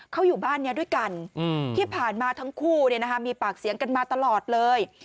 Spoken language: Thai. เขาอยู่บ้านนี้ด้วยกันที่ผ่านมาทั้งคู่มีปากเสียงกันมาตลอดเลย